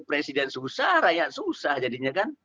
presiden susah rakyat susah jadinya kan